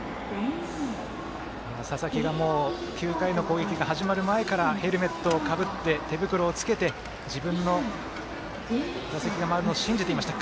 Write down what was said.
佐々木が９回の攻撃が始まる前からヘルメットをかぶって手袋をつけて自分に打席が回ってくるのを信じていました。